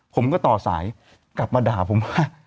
ผมก็ต่อสายกลับมาด่าผมว่า